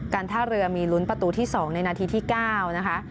ท่าเรือมีลุ้นประตูที่๒ในนาทีที่๙นะคะ